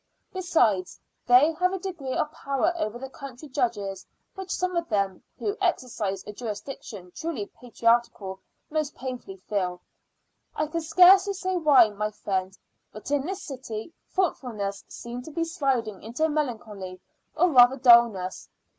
Besides, they have a degree of power over the country judges, which some of them, who exercise a jurisdiction truly patriarchal most painfully feel. I can scarcely say why, my friend, but in this city thoughtfulness seemed to be sliding into melancholy or rather dulness.